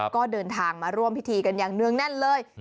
ก็เดินทางมาร่วมพิธีกันอย่างเนื่องแน่นเลย